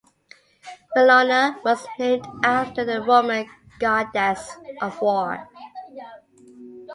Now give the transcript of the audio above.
"Bellona" was named after the Roman Goddess of War.